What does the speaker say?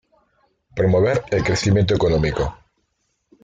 Promover el crecimiento económico.